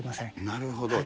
なるほど。